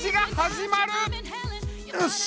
よし！